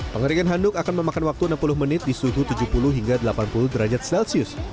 pengeringan handuk akan memakan waktu enam puluh menit di suhu tujuh puluh hingga delapan puluh derajat celcius